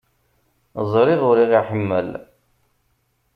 Ẓriɣ ur aɣ-iḥemmel.